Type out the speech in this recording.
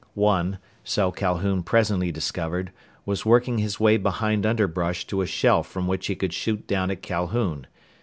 One, so Calhoun presently discovered was working his way behind underbrush to a shelf from which he could shoot down at Calhoun.